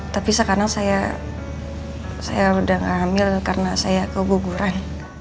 tapi sekarang saya udah gak hamil karena saya keguguran